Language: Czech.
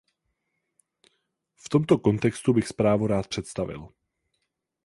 V tomto kontextu bych zprávu rád představil.